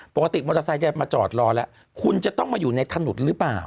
ปกติมอเตอร์ไซค์จะมาจอดรอแล้วคุณจะต้องมาอยู่ในถนนหรือเปล่า